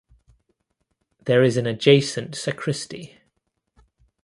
There is an adjacent sacristy.